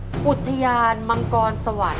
นั่นก็คือเรื่องอุทยานมังกรสวรรค์